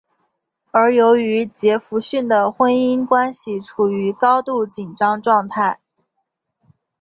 而由于杰佛逊的婚姻关系处于高度紧张状态。